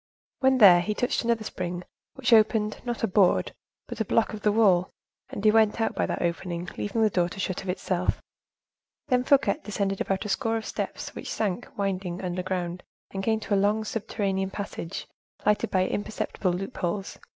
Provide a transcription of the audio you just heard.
When there, he touched another spring, which opened, not a board, but a block of the wall, and he went out by that opening, leaving the door to shut of itself. Then Fouquet descended about a score of steps which sank, winding, underground, and came to a long, subterranean passage, lighted by imperceptible loopholes.